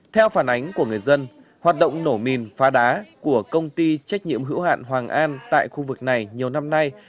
theo phản ánh của người dân hoạt động nổ mìn phá đá của công ty trách nhiệm hữu hạn hoàng an tại khu vực này nhiều năm nay